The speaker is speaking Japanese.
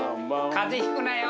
風邪引くなよ！